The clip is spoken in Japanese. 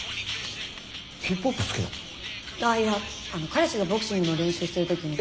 彼氏がボクシングの練習してる時に。